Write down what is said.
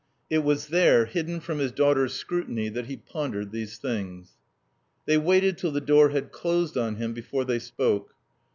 It was there, hidden from his daughters' scrutiny, that he pondered these things. They waited till the door had closed on him before they spoke.